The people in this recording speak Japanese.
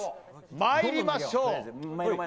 まいりましょう。